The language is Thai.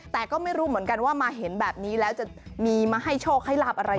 แต่ก็ไม่รู้เหมือนกันว่ามาเห็นแบบนี้แล้วจะมีมาให้โชคให้ลาบอะไร